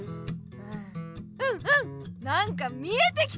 うんうんなんか見えてきた！